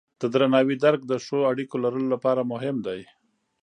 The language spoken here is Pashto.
د درناوي درک د ښو اړیکو لرلو لپاره مهم دی.